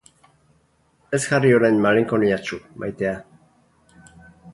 Ez jarri orain malenkoniatsu, maitea.